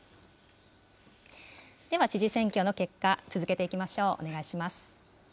では、知事選挙の結果、続けていきましょう。